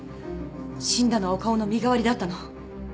死んだのは岡尾の身代わりだったの。